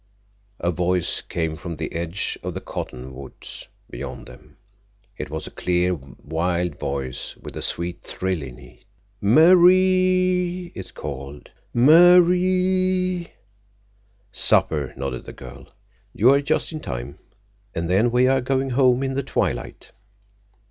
A voice came from the edge of the cottonwoods beyond them. It was a clear, wild voice with a sweet trill in it. "Maa rie!" it called. "Maa rie!" "Supper," nodded the girl. "You are just in time. And then we are going home in the twilight."